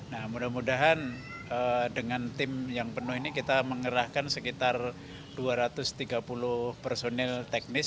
nah mudah mudahan dengan tim yang penuh ini kita mengerahkan sekitar dua ratus tiga puluh personil teknis